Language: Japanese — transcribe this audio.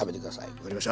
分かりました！